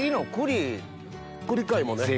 栗回もね。